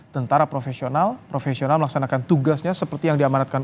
tentara profesional profesional melaksanakan tugasnya seperti yang diamanatkan